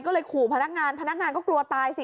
ก็เลยขู่พนักงานพนักงานก็กลัวตายสิ